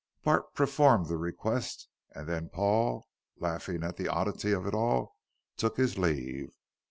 Bart performed the request, and then Paul, laughing at the oddity of it all, took his leave.